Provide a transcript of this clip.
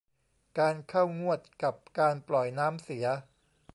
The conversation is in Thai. การเข้างวดกับการปล่อยน้ำเสีย